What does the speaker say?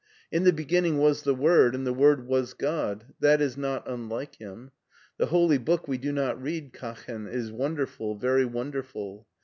In the beginning was the Word, and the Word was God — ^that is not unlike him. The Holy Book we do not read, Katchen, is wonderful, very wonderful.